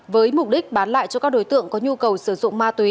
với mục đích bán lại cho các đối tượng có nhu cầu sử dụng ma túy